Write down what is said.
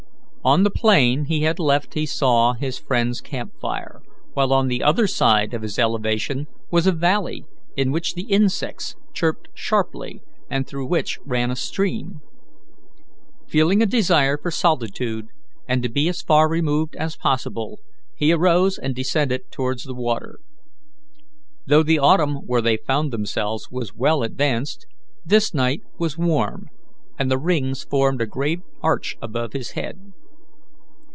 On the plain he had left he saw his friends' camp fire, while on the other side of his elevation was a valley in which the insects chirped sharply, and through which ran a stream. Feeling a desire for solitude and to be as far removed as possible, he arose and descended towards the water. Though the autumn, where they found themselves, was well advanced, this night was warm, and the rings formed a great arch above his head.